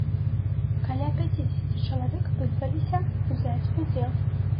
Каля пяцідзесяці чалавек вызваліся ўзяць удзел.